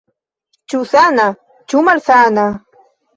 Ĉu sana, ĉu malsana?